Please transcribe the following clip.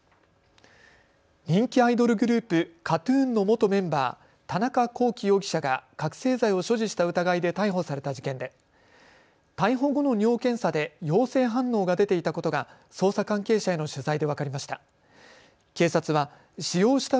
人気アイドルグループＫＡＴ−ＴＵＮの元メンバー田中聖容疑者が覚醒剤を所持した疑いで逮捕された事件で逮捕後の尿検査で陽性反応が出ていたことが捜査関係者への取材で分かりました。